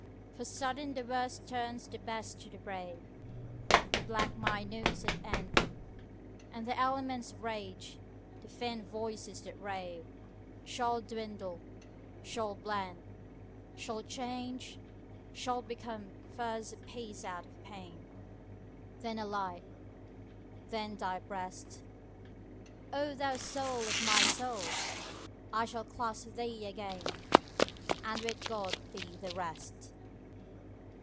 20 For sudden the worst turns the best to the brave, The black minute's at end, And the elements' rage, the fiend voices that rave, Shall dwindle, shall blend, Shall change, shall become first a peace out of pain, 25 Then a light, then thy breast, O thou soul of my soul! I shall clasp thee again, And with God be the rest!